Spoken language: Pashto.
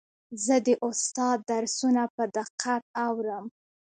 زه د استاد درسونه په دقت اورم.